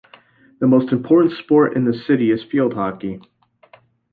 The most important sport in the city is field hockey.